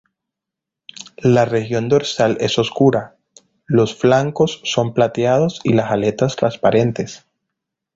La región dorsal es oscura, los flancos son plateados y las aletas transparentes.